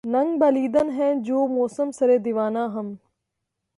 ننگ بالیدن ہیں جوں موئے سرِ دیوانہ ہم